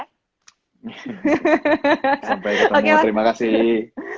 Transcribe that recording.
hahaha sampai ketemu terima kasih